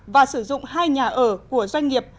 và sử dụng hai nhà ở của doanh nghiệp